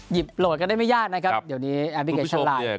โหลดกันได้ไม่ยากนะครับเดี๋ยวนี้แอปพลิเคชันไลน์